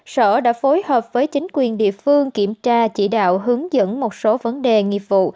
sở đã phối hợp với chính quyền địa phương kiểm tra chỉ đạo hướng dẫn một số vấn đề nghiệp vụ